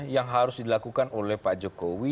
yang harus dilakukan oleh pak jokowi